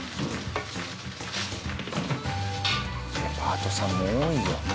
パートさんも多いよ。